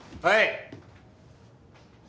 はい。